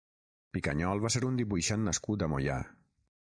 Picanyol va ser un dibuixant nascut a Moià.